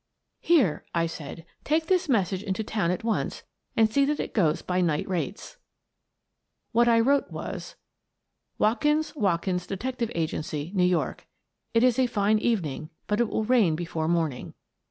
" Here," I said. " Take this message into town at once, and see that it goes by night rates." What I wrote was : "Watkins, Watkms Detective Agency New York: " It is a fine evening, but it will rain before morn ing.